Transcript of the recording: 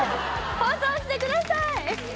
放送してください！